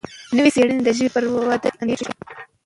نوې څېړنې د ژبې پر وده اندېښنه ښيي.